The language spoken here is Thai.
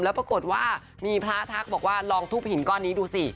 แล้วปรากฏว่ามีพระทักบอกว่าลองทูบหินก้อนนี้ดูสิ